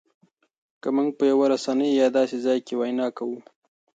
که مونږ په یوه رسنۍ او یا داسې ځای کې وینا کوو